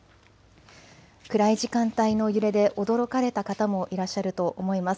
暗い時間帯の揺れで驚かれた方もいらっしゃると思います。